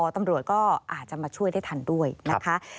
ตำรวจก็อาจจะมาช่วยได้ทันด้วยนะคะ